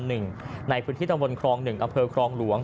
ในพื้นที่ตระวนคลอง๑ดังเพลิงคลองหลวง